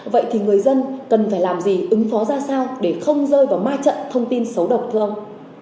vậy thì người dân cần phải làm gì ứng phó ra sao để không rơi vào ma trận thông tin xấu độc thưa ông